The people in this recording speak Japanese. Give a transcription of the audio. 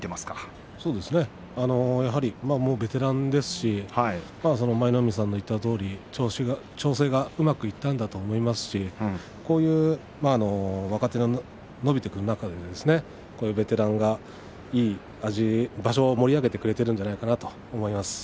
ベテランですし舞の海さんの言ったとおり調整がうまくいったんだと思いますし若手が伸びてくる中でこういうベテランがいい味、場所を盛り上げてくれているんじゃないかなと思います。